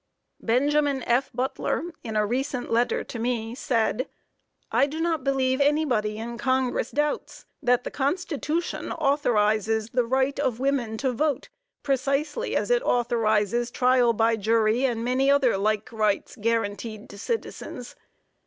Benjamin F. Butler, in a recent letter to me, said: "I do not believe anybody in Congress doubts that the Constitution authorizes the right of women to vote, precisely as it authorizes trial by jury and many other like rights guaranteed to citizens."